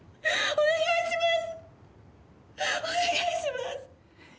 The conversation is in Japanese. お願いします！